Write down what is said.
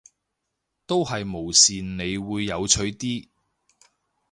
都係無視你會有趣啲